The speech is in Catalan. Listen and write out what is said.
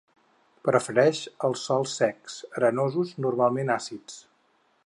Prefereix els sòls secs, arenosos, normalment àcids.